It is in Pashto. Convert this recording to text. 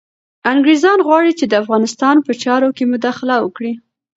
انګریزان غواړي چي د افغانستان په چارو کي مداخله وکړي.